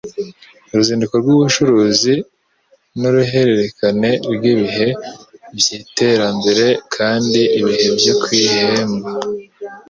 Uruzinduko rwubucuruzi nuruhererekane rwibihe byiterambere kandi ibihe byo kwiheba